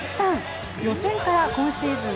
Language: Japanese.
予選から今シーズン